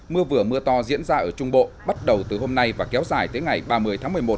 mưa vừa mưa to diễn ra ở trung bộ bắt đầu từ hôm nay và kéo dài tới ngày ba mươi tháng một mươi một